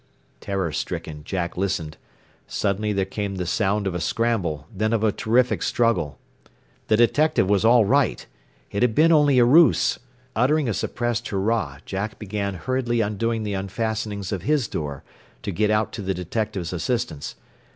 Terror stricken, Jack listened. Suddenly there came the sound of a scramble, then of a terrific struggle. The detective was all right! It had been only a ruse! Uttering a suppressed hurrah Jack began hurriedly undoing the fastenings of his door, to get out to the detective's assistance.